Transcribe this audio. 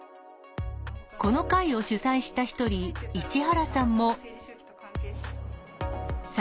この会を主催した１人市原さんも。